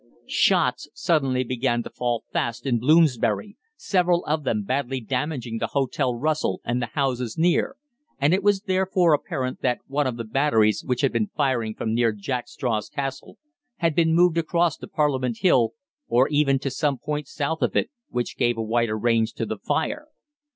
Shots suddenly began to fall fast in Bloomsbury, several of them badly damaging the Hotel Russell and the houses near, and it was therefore apparent that one of the batteries which had been firing from near Jack Straw's Castle had been moved across to Parliament Hill, or even to some point south of it, which gave a wider range to the fire.